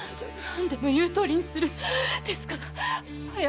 何でも言うとおりにするですから早く薬を！